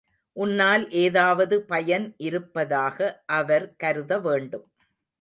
உன்னால் ஏதாவது பயன் இருப்பதாக அவர் கருத வேண்டும்.